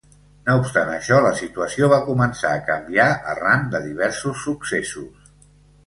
No obstant això, la situació va començar a canviar arran de diversos successos.